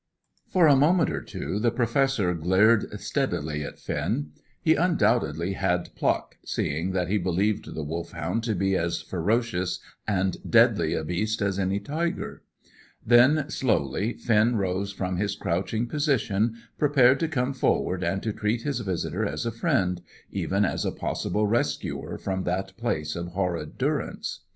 For a moment or two the Professor glared steadily at Finn. He undoubtedly had pluck, seeing that he believed the Wolfhound to be as ferocious and deadly a beast as any tiger. Then, slowly, Finn rose from his crouching position, prepared to come forward and to treat his visitor as a friend, even as a possible rescuer from that place of horrid durance.